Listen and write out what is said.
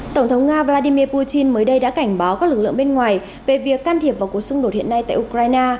tổng thống nga vladimir putin mới đây đã cảnh báo các lực lượng bên ngoài về việc can thiệp vào cuộc xung đột hiện nay tại ukraine